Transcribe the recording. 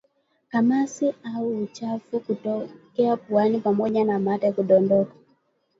Kamasi au uchafu kutokea puani pamoja na mate kudondoka